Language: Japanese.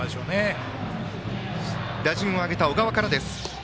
打者は打順を上げた小川からです。